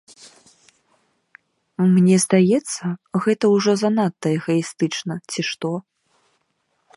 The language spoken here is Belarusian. Мне здаецца, гэта ўжо занадта эгаістычна, ці што.